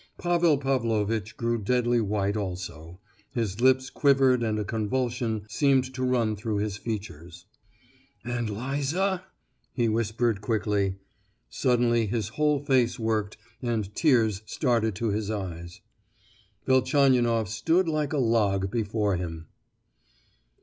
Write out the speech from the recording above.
Pavel Pavlovitch grew deadly white also, his lips quivered and a convulsion seemed to run through his features: "And—Liza?" he whispered quickly. Suddenly his whole face worked, and tears started to his eyes. Velchaninoff stood like a log before him.